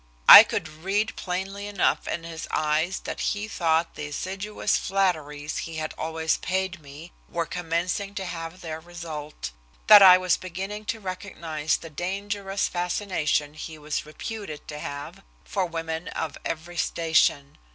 I could read plainly enough in his eyes that he thought the assiduous flatteries he had always paid me were commencing to have their result, that I was beginning to recognize the dangerous fascination he was reputed to have for women of every station.